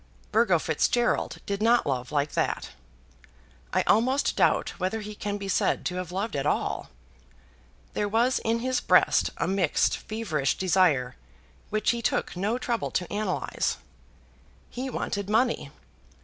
Burgo Fitzgerald did not love like that. I almost doubt whether he can be said to have loved at all. There was in his breast a mixed, feverish desire, which he took no trouble to analyse. He wanted money.